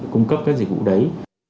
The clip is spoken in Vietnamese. cung cấp các dịch vụ đấy